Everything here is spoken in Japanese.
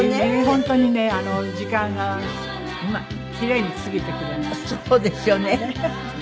本当にね時間がきれいに過ぎてくれます。